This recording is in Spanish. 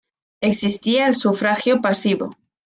Existía el sufragio pasivo.